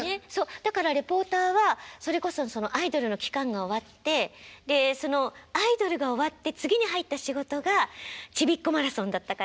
だからリポーターはそれこそアイドルの期間が終わってでそのアイドルが終わって次に入った仕事が「ちびっこマラソン」だったから。